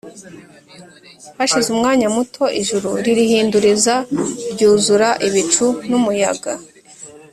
Hashize umwanya muto, ijuru ririhinduriza ryuzura ibicu n’umuyaga